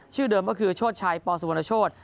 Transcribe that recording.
ชื่อเดิมก็คือโชชัยปสุวรรณโชธ